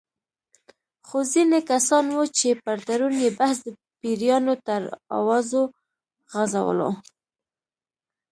خو ځینې کسان وو چې پر تړون یې بحث د پیریانو تر اوازو غـځولو.